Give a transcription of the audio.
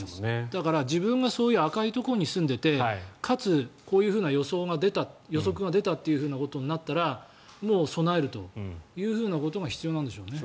だから自分が赤いところに住んでいてかつ、こういう予想・予測が出たということになったらもう備えるということが必要なんでしょうね。